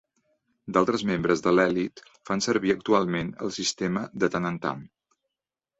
D’altres membres de l’elit fan servir actualment el sistema de tant en tant.